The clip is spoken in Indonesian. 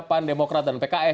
pan demokrat dan pks